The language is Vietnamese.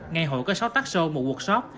ngày hội có sáu tác show một workshop